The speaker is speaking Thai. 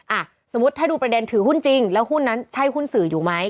อ่ะสมมุติถ้าดูประเด็นถือหุ้นจริงแล้วหุ้นนั้นใช่หุ้นสื่ออยู่ไหม